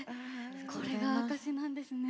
これが証しなんですね。